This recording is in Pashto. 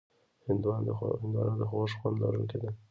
هندوانه د خوږ خوند لرونکې ده.